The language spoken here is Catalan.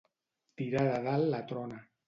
Tirar de dalt la trona.